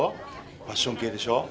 ファッション系でしょ